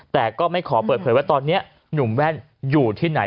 แต่ก็ไม่ขอเปิดเผยว่าตอนนี้หนุ่มแว่นอยู่ที่ไหน